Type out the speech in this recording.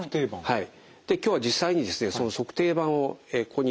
はい。